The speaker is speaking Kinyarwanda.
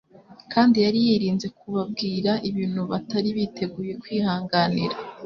Kandi yari yirinze kubabwira ibintu batari biteguye kwihanganira.